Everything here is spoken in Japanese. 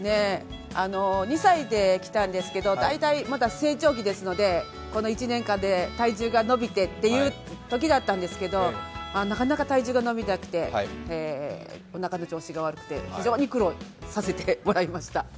２歳で来たんですけれども大体まだ成長期ですのでこの１年間で体重が伸びてっていうときだったんですけど、なかなか体重が伸びなくておなかの調子が悪くて非常に苦労させてもらいました。